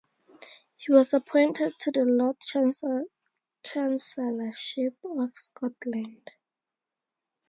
He was appointed to the Lord Chancellorship of Scotland.